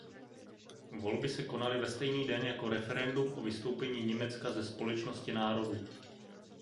Volby se konaly ve stejný den jako referendum o vystoupení Německa ze Společnosti národů.